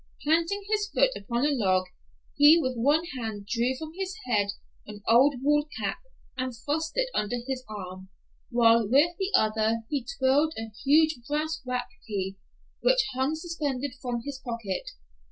Planting his foot upon a log, he with one hand drew from his head his old wool cap and thrust it under his arm, while with the other he twirled a huge brass watchkey, which hung suspended from his pocket.